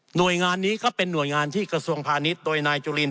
หน่วยงานนี้ก็เป็นหน่วยงานที่กระทรวงพาณิชย์โดยนายจุลิน